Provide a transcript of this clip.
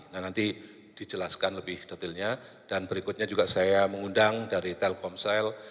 nah nanti dijelaskan lebih detailnya dan berikutnya juga saya mengundang dari telkomsel